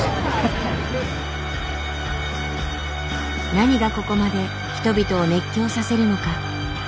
何がここまで人々を熱狂させるのか。